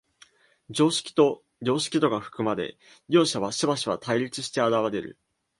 常識と良識とが含まれ、両者はしばしば対立して現れる。